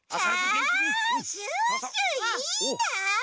あシュッシュいいな！